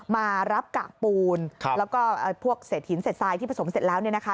มารับกากปูนแล้วก็พวกเศษหินเศษทรายที่ผสมเสร็จแล้วเนี่ยนะคะ